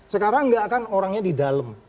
sekarang nggak akan orangnya di dalam